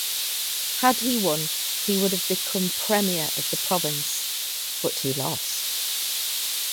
Had he won, he would have become premier of the province, but he lost.